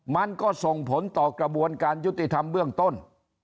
มันก็ส่งผลต่อกระบวนการยุติธรรมเบื้องต้น